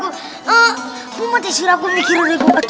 emang mah si rawi mikirin